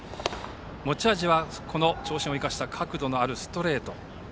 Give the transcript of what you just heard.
持ち味は長身を生かした角度のあるストレート。